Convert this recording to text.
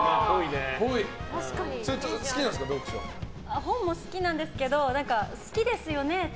本も好きなんですけど好きですよねって